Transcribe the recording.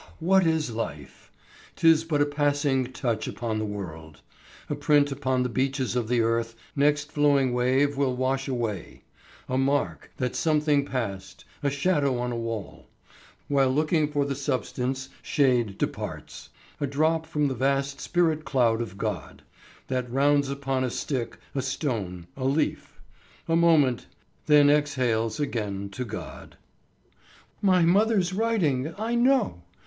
what is life! 'Tis but a passing touch upon the world; A print upon the beaches of the earth Next flowing wave will wash away; a mark That something passed; a shadow on a wall, While looking for the substance, shade departs: A drop from the vast spirit cloud of God, That rounds upon a stock, a stone, a leaf, A moment, then exhales again to God." "My mother's writing, I know!